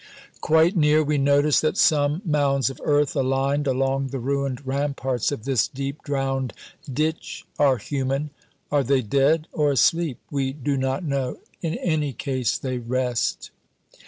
Quite near, we notice that some mounds of earth aligned along the ruined ramparts of this deep drowned ditch are human. Are they dead or asleep? We do not know; in any case, they rest.